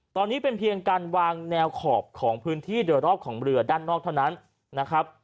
ตอนนี้เป็นเพียงการวางแนวขอบของพื้นที่โดยรอบของเรือด้านนอกเท่านั้นนะครับ